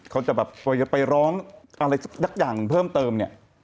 เขาจะไปร้องอะไรสักอย่างเพิ่มเติม